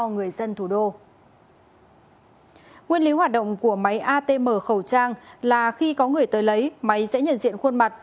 nguyên lý hoạt động của máy atm khẩu trang là khi có người tới lấy máy sẽ nhận diện khuôn mặt